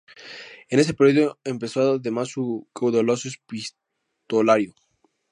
En ese periodo empezó además su caudaloso "Epistolario".